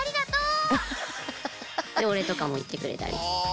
でお礼とかも言ってくれたり。